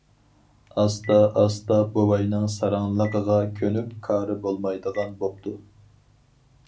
ئاستا-ئاستا بوۋاينىڭ ساراڭلىقىغا كۆنۈپ كارى بولمايدىغان بوپتۇ.